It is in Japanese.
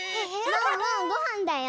ワンワンごはんだよ。